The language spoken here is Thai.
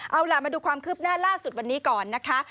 เอาล่ะมาดูความคืบหน้าล่าสุดวันนี้ก่อนนะคะ